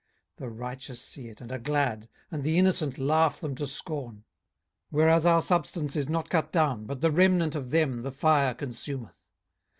18:022:019 The righteous see it, and are glad: and the innocent laugh them to scorn. 18:022:020 Whereas our substance is not cut down, but the remnant of them the fire consumeth.